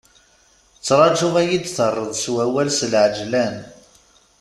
Ttrajuɣ ad iyi-d-terreḍ s wawal s lɛejlan.